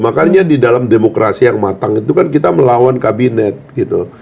makanya di dalam demokrasi yang matang itu kan kita melawan kabinet gitu